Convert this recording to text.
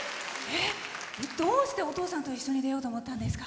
どうして、お父さんと一緒に出ようと思ったんですか？